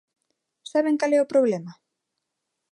¿Saben cal é o problema?